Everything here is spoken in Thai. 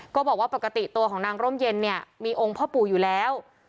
ก็บอกว่าปกติตัวของนางร่มเย็นเนี่ยมีองค์พ่อปู่อยู่แล้ว